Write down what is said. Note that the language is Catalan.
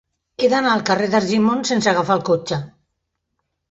He d'anar al carrer d'Argimon sense agafar el cotxe.